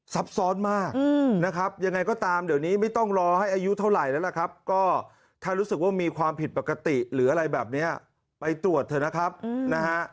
ซับซ้อนมากนะครับยังไงก็ตามเดี๋ยวนี้ไม่ต้องรอให้อายุเท่าไหร่แล้วล่ะครับก็ถ้ารู้สึกว่ามีความผิดปกติหรืออะไรแบบนี้ไปตรวจเถอะนะครับนะฮะ